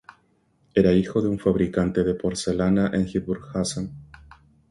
Era hijo de un fabricante de porcelana en Hildburghausen.